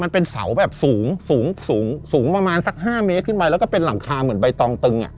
มันเป็นเสาแบบสูงสูงประมาณสัก๕เมตรขึ้นไปแล้วก็เป็นหลังคาเหมือนใบตองตึงอ่ะ